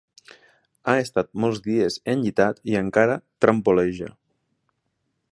Ha estat molts dies enllitat i encara trampoleja.